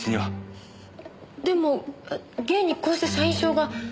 でも現にこうして社員証が。